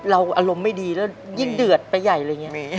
อารมณ์ไม่ดีแล้วยิ่งเดือดไปใหญ่อะไรอย่างนี้